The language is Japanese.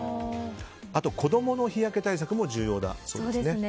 あと、子供の日焼け対策も重要だそうですね。